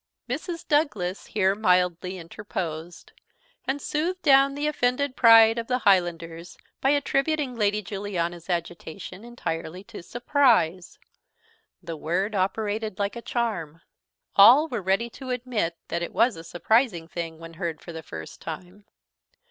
Mrs. Douglas here mildly interposed, and soothed down the offended pride of the Highlanders by attributing Lady Juliana's agitation entirely to surprise. The word operated like a charm; all were ready to admit that it was a surprising thing when heard for the first time.